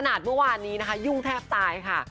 เมื่อวานนี้นะคะยุ่งแทบตายค่ะ